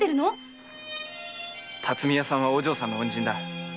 巽屋さんはお嬢さんの恩人だ。